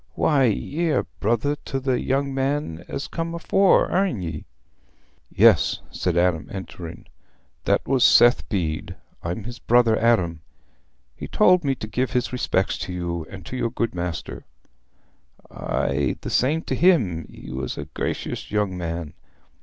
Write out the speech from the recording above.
"Why, ye're brother to the young man as come afore, arena ye?" "Yes," said Adam, entering. "That was Seth Bede. I'm his brother Adam. He told me to give his respects to you and your good master." "Aye, the same t' him. He was a gracious young man.